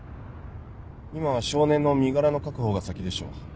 今は少年の身柄の確保が先でしょう。